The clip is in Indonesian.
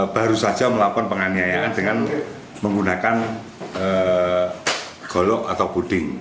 baru saja melakukan penganiayaan dengan menggunakan golok atau puding